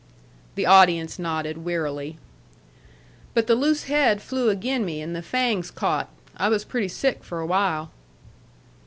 The audience nodded wearily. "But the loose head flew agin me, and the fangs caught. I was pretty sick for a while."